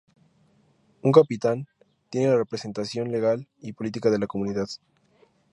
Un "capitán" tiene la representación legal y política de la comunidad.